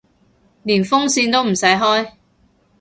連風扇都唔使開